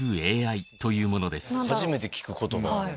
初めて聞く言葉。